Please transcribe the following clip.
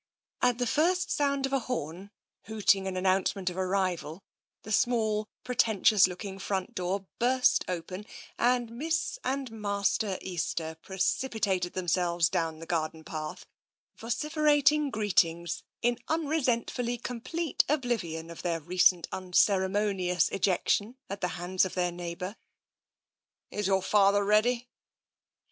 At the first sound of the horn hooting an announce ment of arrival, the small, pretentious looking front door burst open, and Miss and Master Easter pre cipitated themselves down the garden path, vociferat ing greetings in unresentfully complete oblivion of their recent unceremonious ejection at the hands of their neighbour. "Is your father ready?"